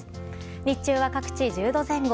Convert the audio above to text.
日中は各地１０度前後。